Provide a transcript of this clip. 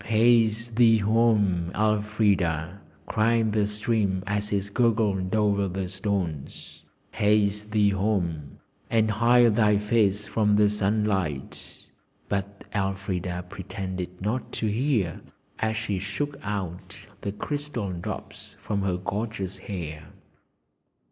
'Haste thee home, Elfrida!' cried the stream as it gurgled over the stones; 'haste thee home, and hide thy face from the sunlight.' But Elfrida pretended not to hear as she shook out the crystal drops from her gorgeous hair.